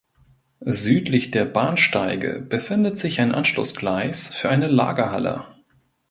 Südlich der Bahnsteige befindet sich ein Anschlussgleis für eine Lagerhalle.